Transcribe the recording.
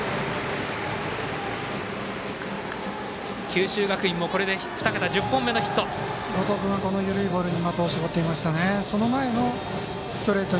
九州学院もこれで２桁１０本目のヒット。